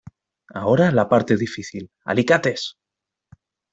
Ahora la parte difícil. ¡ Alicates!